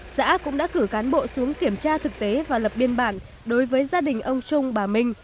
xã cũng đã cử cán bộ xuống kiểm tra thực tế và lập biên bản đối với gia đình ông trung bà minh